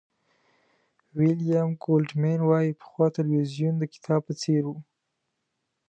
ویلیام گولډمېن وایي پخوا تلویزیون د کتاب په څېر و.